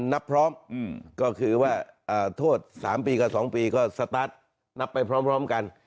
นับพร้อมก็คือว่าโทษ๓ปีกับ๒ปีก็สตาร์ทนับไปพร้อมกัน